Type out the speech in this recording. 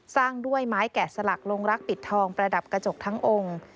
สร้างด้วยไม้แกะสลักลงรักปิดทองประดับกระจกทั้งองค์